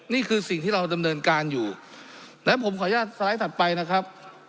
นี่คือสิ่งที่เราดำเนินการอยู่นั้นผมขออนุญาตสไลด์ถัดไปนะครับ